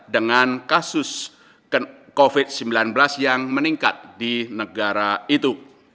dengan kasus covid sembilan belas yang meningkat di negara itu